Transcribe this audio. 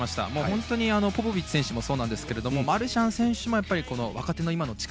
本当にポポビッチ選手もそうですがマルシャン選手もやっぱり若手の力。